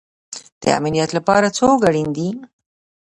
د امنیت لپاره څوک اړین دی؟